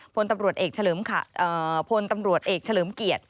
พลตำรวจเอกเฉลิมเกียรติศรีวรรคานรองผู้บัญชาการตำรวจแห่งชาติ